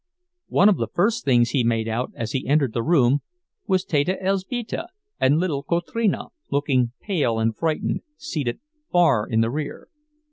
One of the first things he made out as he entered the room was Teta Elzbieta and little Kotrina, looking pale and frightened, seated far in the rear.